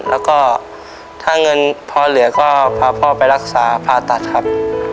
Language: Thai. แล้วก็ถ้าเงินพอเหลือก็พาพ่อไปรักษาผ่าตัดครับ